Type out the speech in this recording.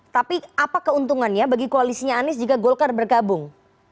tapi apa keuntungannya bagi koalisinya anies jika golkar bergabung